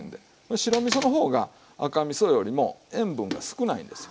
白みその方が赤みそよりも塩分が少ないんですよ。